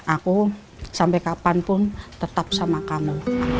aku sampai kapanpun tetap sama kamu